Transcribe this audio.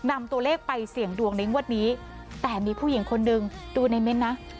นำตัวเลขไปเสี่ยงดวงในงวดนี้แต่มีผู้หญิงคนหนึ่งดูในเมนต์นะ